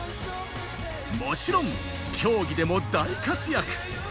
もちろん競技でも大活躍。